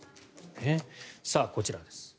こちらです。